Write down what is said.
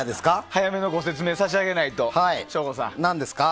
早めのご説明差し上げないと省吾さん。